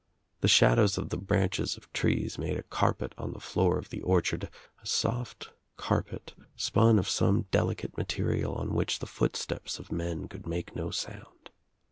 The shadows of the branches of trees made a carpe.t on the floor of the orchard, a soft carpet spun of some delicate ma terial on which the footsteps of men could make no sound.